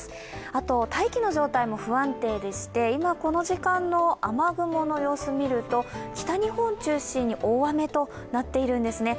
あと、大気の状態も不安定でして今この時間の雨雲の様子を見ると北日本を中心に大雨となっているんですね。